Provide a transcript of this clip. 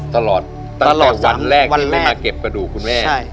ตลอดตั้งแต่วันแรกที่ไม่มาเก็บกระดูกคุณแม่ใช่